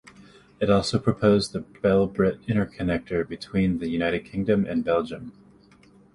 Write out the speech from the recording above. It also proposed the BelBrit interconnector between the United Kingdom and Belgium.